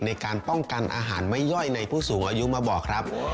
ในการป้องกันอาหารไม่ย่อยในผู้สูงอายุมาบอกครับ